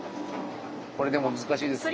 これでも難しいですね。